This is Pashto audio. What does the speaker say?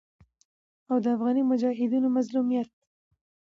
او د افغاني مجاهدينو مظلوميت